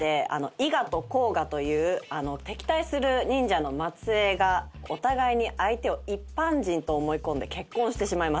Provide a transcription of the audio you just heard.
伊賀と甲賀という敵対する忍者の末裔がお互いに相手を一般人と思い込んで結婚してしまいます。